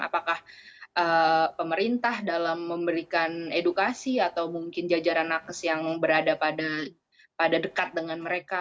apakah pemerintah dalam memberikan edukasi atau mungkin jajaran nakes yang berada pada dekat dengan mereka